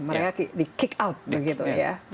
mereka di kick out begitu ya